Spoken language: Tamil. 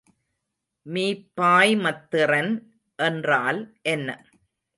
மீப்பாய்மத்திறன் என்றால் என்ன?